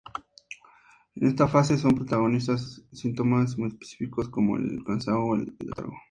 En esta fase son protagonistas síntomas muy inespecíficos, como el cansancio o el letargo.